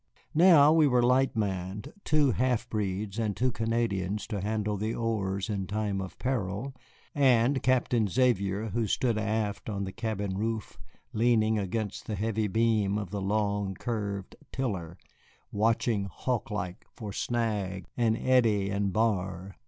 Now we were light manned, two half breeds and two Canadians to handle the oars in time of peril, and Captain Xavier, who stood aft on the cabin roof, leaning against the heavy beam of the long, curved tiller, watching hawklike for snag and eddy and bar.